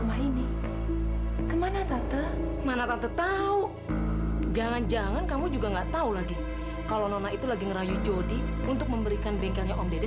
apa ini yang menyebabkan kamu ingin bunuh diri gara gara nara